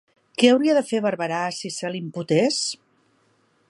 Què hauria de fer Barberà si se l'imputés?